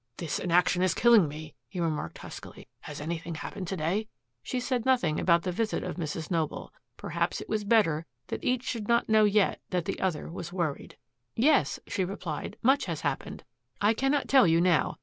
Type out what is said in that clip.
"This inaction is killing me," he remarked huskily. "Has anything happened to day!" She said nothing about the visit of Mrs. Noble. Perhaps it was better that each should not know yet that the other was worried. "Yes," she replied, "much has happened. I cannot tell you now.